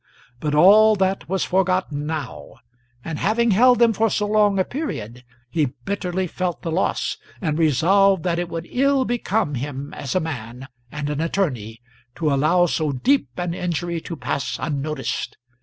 But all that was forgotten now; and having held them for so long a period, he bitterly felt the loss, and resolved that it would ill become him as a man and an attorney to allow so deep an injury to pass unnoticed.